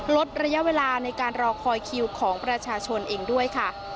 ลดระยะเวลาในการรอคอยคิวของประชาชนเองด้วยค่ะ